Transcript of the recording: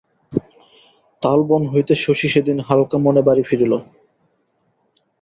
তালবন হইতে শশী সেদিন হালকা মনে বাড়ি ফিরিল।